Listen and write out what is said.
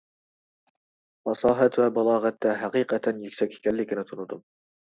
پاساھەت ۋە بالاغەتتە ھەقىقەتەن يۈكسەك ئىكەنلىكىنى تونۇدۇم.